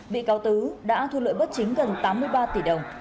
bị cáo tứ đã thu lợi bất chính gần tám mươi ba tỷ đồng